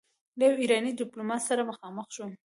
له يوه ايراني ډيپلومات سره مخامخ شوم.